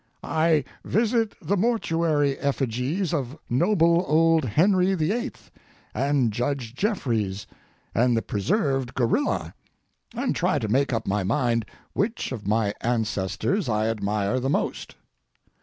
] I visit the mortuary effigies of noble old Henry VIII., and Judge Jeffreys, and the preserved gorilla, and try to make up my mind which of my ancestors I admire the most.